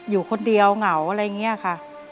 อยู่คนเดียวเหงาอะไรอย่างนี้ค่ะ